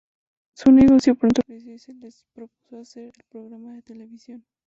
Su negocio pronto creció y se les propuso hacer el programa de televisión.